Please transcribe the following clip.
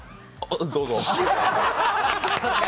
どうぞ。